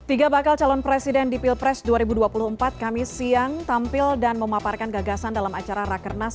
tiga bakal calon presiden di pilpres dua ribu dua puluh empat kami siang tampil dan memaparkan gagasan dalam acara rakernas